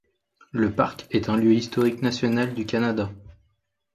Le parc est un lieu historique national du Canada.